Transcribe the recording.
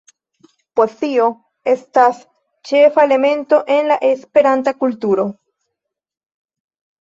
Poezio estas ĉefa elemento en la Esperanta kulturo.